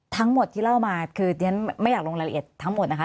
ทั้งหมดที่เล่ามาคือเรียนไม่อยากลงรายละเอียดทั้งหมดนะคะ